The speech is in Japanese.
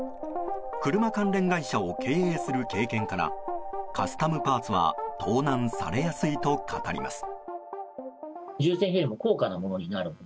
車関連会社を経営する経験からカスタムパーツは盗難されやすいと語ります。